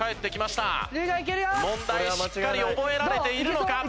しっかり覚えられているのか？